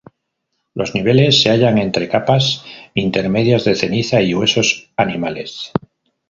Los niveles se hallan entre capas intermedias de ceniza y huesos animales.